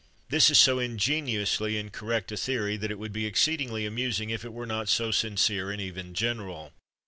This is so ingeniously incorrect a theory that it would be exceedingly amusing if it were not so sincere and even general.